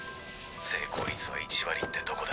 成功率は１割ってとこだ。